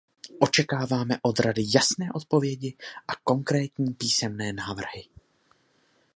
Očekáváme od Rady jasné odpovědi a konkrétní písemné návrhy.